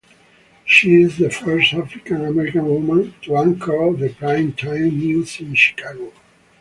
She is the first African-American woman to anchor the prime-time news in Chicago.